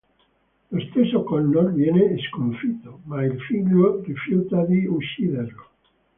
Lo stesso Connor viene sconfitto, ma il figlio rifiuta di ucciderlo.